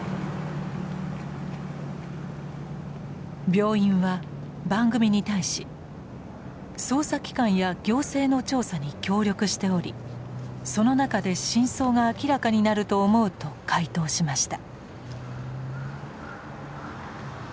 病院は番組に対し捜査機関や行政の調査に協力しておりその中で真相が明らかになると思うと回答しました。